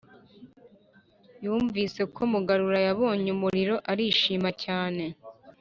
yumvise ko mugarura yabonye umuriro arishima cyane.